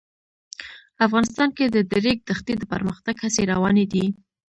افغانستان کې د د ریګ دښتې د پرمختګ هڅې روانې دي.